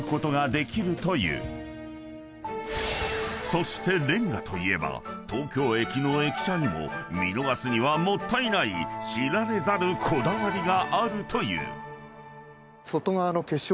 ［そしてレンガといえば東京駅の駅舎にも見逃すにはもったいない知られざるこだわりがあるという］